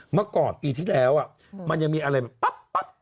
เมื่อก่อนปีที่แล้วมันยังมีอะไรแบบปั๊บ